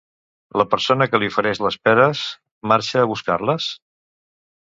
La persona que li ofereix les peres marxa a buscar-les?